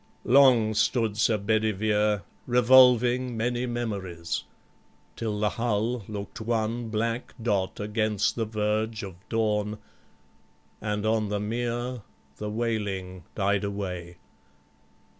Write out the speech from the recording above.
Long stood Sir Bedivere Revolving many memories, till the hull Look'd one black dot against the verge of dawn, And on the mere the wailing died away.